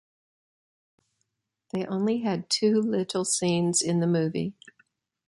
They only had two little scenes in the movie.